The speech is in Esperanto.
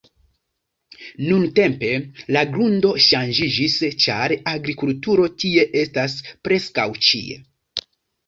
Nuntempe, la grundo ŝanĝiĝis ĉar agrikulturo tie estas preskaŭ ĉie.